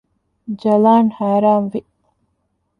ޖަލާން ހައިރާންވި